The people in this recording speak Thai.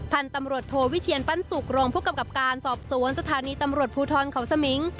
พันธุ์ตำรวจโทวิเชียนปั้นสุกรองผู้กำกับการสอบสวนสถานีตำรวจภูทรเขาสมิง